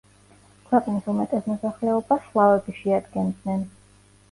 ქვეყნის უმეტეს მოსახლეობას სლავები შეადგენდნენ.